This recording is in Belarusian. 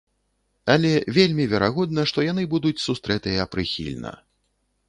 Але вельмі верагодна, што яны будуць сустрэтыя прыхільна.